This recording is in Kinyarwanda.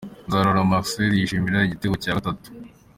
Nzarora Marcel yishimira igitego cya gatatu.